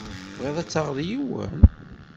Tebɣiḍ ad taɣeḍ yiwen?